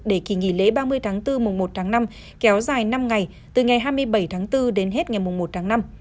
để kỳ nghỉ lễ ba mươi tháng bốn mùng một tháng năm kéo dài năm ngày từ ngày hai mươi bảy tháng bốn đến hết ngày một tháng năm